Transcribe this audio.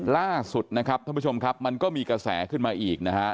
ล่าสุดนะครับท่านผู้ชมครับมันก็มีกระแสขึ้นมาอีกนะฮะ